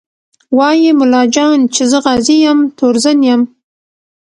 وايي ملا جان چې زه غازي یم تورزن یم